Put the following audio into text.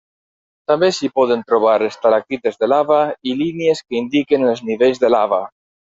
També s'hi poden trobar estalactites de lava, i línies que indiquen els nivells de lava.